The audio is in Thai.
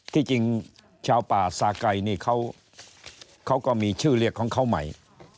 ที่จริงชาวป่าสาไก่นี่เขาก็มีชื่อเรียกของเขาใหม่